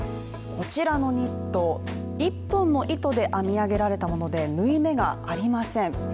こちらのニット、１本の糸で編み上げられたもので、縫い目がありません。